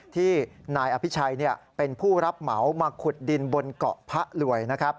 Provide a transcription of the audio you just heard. ที่นายอภิชัยเป็นผู้รับเหมามาขุดดินบนเกาะพระหลวย